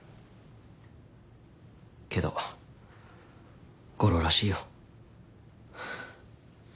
けど悟郎らしいよ。